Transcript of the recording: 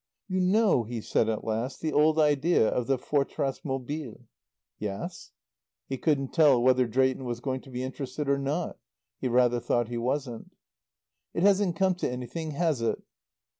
"You know," he said at last, "the old idea of the forteresse mobile? "Yes." He couldn't tell whether Drayton was going to be interested or not. He rather thought he wasn't. "It hasn't come to anything, has it?"